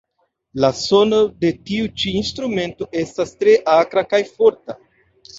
La sono de tiu ĉi instrumento estas tre akra kaj forta.